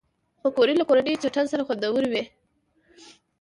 پکورې له کورني چټن سره خوندورې وي